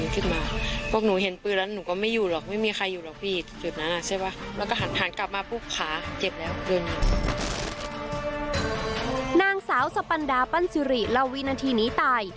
จากการที่รีละวินาทีนี้ตาย